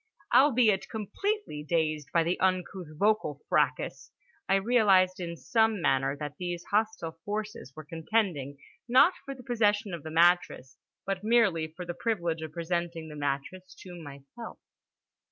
Albeit completely dazed by the uncouth vocal fracas, I realised in some manner that these hostile forces were contending, not for the possession of the mattress, but merely for the privilege of presenting the mattress to myself.